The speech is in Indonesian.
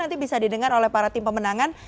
nanti bisa didengar oleh para tim pemenangan